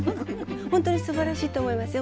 本当にすばらしいと思いますよ。